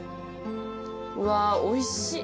うわおいしい。